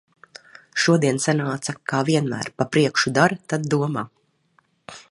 Šodien sanāca kā vienmēr - pa priekšu dara, tad domā.